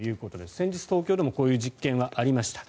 先日、東京でもこういう実験はありました。